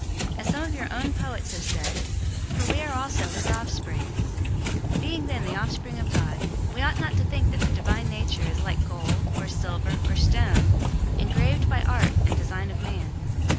As some of your own poets have said, 'For we are also his offspring.' 017:029 Being then the offspring of God, we ought not to think that the Divine Nature is like gold, or silver, or stone, engraved by art and design of man.